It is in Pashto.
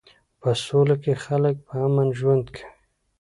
په سوله کې خلک په امن ژوند کوي.